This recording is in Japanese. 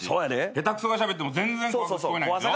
下手くそがしゃべっても全然怖く聞こえないんですよ。